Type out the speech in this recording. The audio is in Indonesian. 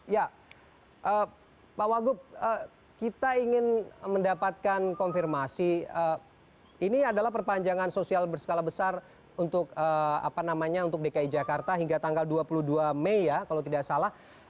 ya pak wagub kita ingin mendapatkan konfirmasi ini adalah perpanjangan sosial berskala besar untuk dki jakarta hingga tanggal dua puluh dua mei ya kalau tidak salah